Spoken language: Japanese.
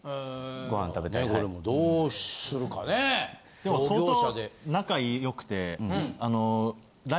でも相当仲良くて。